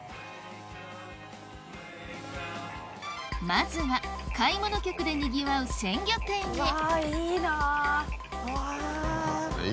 まずは買い物客でにぎわう鮮魚店へうわ。